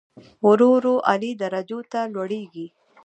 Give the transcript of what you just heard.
ورو ورو اعلی درجو ته لوړېږي.